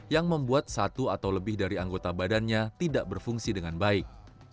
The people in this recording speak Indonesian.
yang membuat satu atau lebih dari anggota badannya tidak berfungsi dengan baik